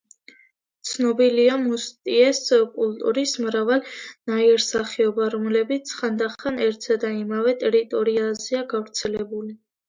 ცნობილია მუსტიეს კულტურის მრავალი ნაირსახეობა, რომლებიც ხანდახან ერთსა და იმავე ტერიტორიაზეა გავრცელებული.